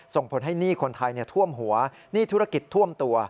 ส่งผลให้หนี้คนไทยท่วมหัวหนี้ธุรกิจท่วมตัว